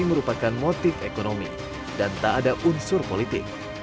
merupakan motif ekonomi dan tak ada unsur politik